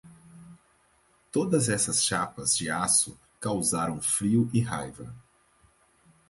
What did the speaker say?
Todas essas chapas de aço causaram frio e raiva.